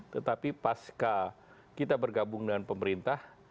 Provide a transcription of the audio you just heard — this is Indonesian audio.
tetapi pas kita bergabung dengan pemerintah